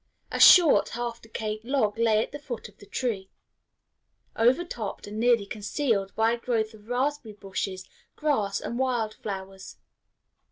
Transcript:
A short, half decayed log lay at the foot of the tree, overtopped and nearly concealed by a growth of raspberry bushes, grass, and wild flowers.